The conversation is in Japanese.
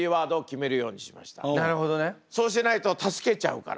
そうしないと助けちゃうから。